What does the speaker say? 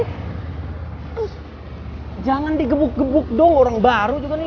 terus jangan digebuk gebuk dong orang baru juga nih